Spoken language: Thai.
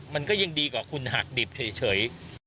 มันก็ยังดีกว่าคุณหักดิบเฉย